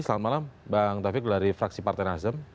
selamat malam bang taufik dari fraksi partai nasdem